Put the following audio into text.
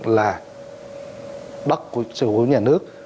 về đất của nhà nước